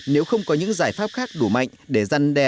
nếu không có những giải pháp khác đủ mạnh để răn đe